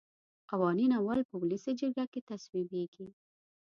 قوانین اول په ولسي جرګه کې تصویبیږي.